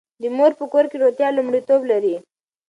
د مور په کور کې روغتیا لومړیتوب لري.